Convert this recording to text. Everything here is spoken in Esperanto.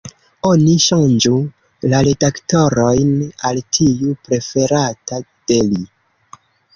Oni ŝanĝu la redaktorojn al tiu preferata de li.